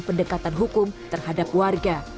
pendekatan hukum terhadap warga